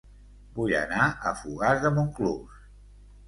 Vull anar a Fogars de Montclús